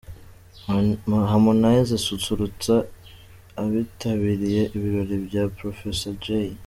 Harmonize asusurutsa abitabiriye ibirori bya Professor Jay.